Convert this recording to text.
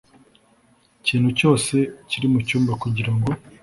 kintu cyose kiri mu cyumba kugira ngo